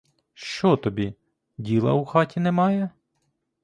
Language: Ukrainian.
Що тобі — діла у хаті немає?